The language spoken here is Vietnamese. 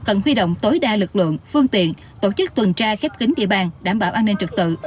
cần huy động tối đa lực lượng phương tiện tổ chức tuần tra khép kính địa bàn đảm bảo an ninh trực tự